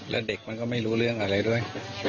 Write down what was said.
แล้วเด็กมันก็ไม่รู้เรื่องอะไรด้วย